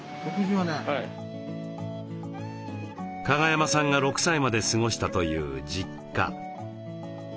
加賀山さんが６歳まで過ごしたという実家。